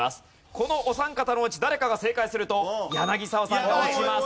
このお三方のうち誰かが正解すると柳澤さんが落ちます。